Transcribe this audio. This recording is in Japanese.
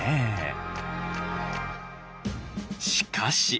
しかし！